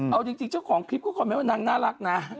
เอาจริงเจ้าของคลิปก็คอมเมนต์ว่านางน่ารักนะ